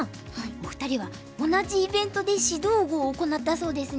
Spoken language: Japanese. お二人は同じイベントで指導碁を行ったそうですね。